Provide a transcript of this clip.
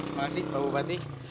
terima kasih pak bupati